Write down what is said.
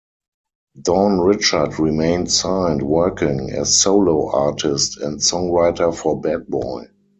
Dawn Richard remained signed working as solo artist and songwriter for Bad Boy.